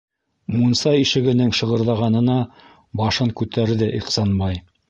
Мунса ишегенең шығырҙағанына башын күтәрҙе Ихсанбай.